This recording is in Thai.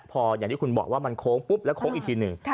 พออย่างที่คุณบอกว่ามันโค้งปุ๊บแล้วโค้งอีกทีหนึ่ง